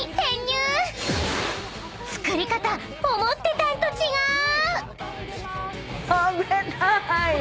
［作り方思ってたんと違ーう！］